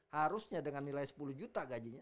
harusnya dengan nilai sepuluh juta gajinya